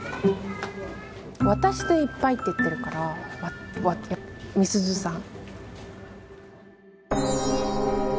「私でいっぱい」って言ってるからみすゞさん。